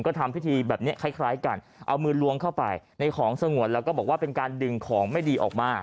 ก็ทำพิธีแบบนี้คล้ายกันเอามือล้วงเข้าไปในของสงวนแล้วก็บอกว่าเป็นการดึงของไม่ดีออกมา